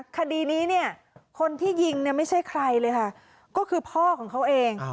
คดีนี้เนี่ยคนที่ยิงเนี่ยไม่ใช่ใครเลยค่ะก็คือพ่อของเขาเอง